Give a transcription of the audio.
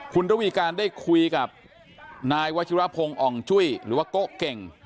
คุณระวีการได้คุยกับนายวัชิรพงศ์อ่องจุ้ยหรือว่าโกะเก่ง